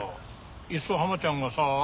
いっそハマちゃんがさ